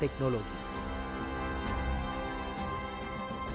dua puluh tahun habibi menduduki kursi ini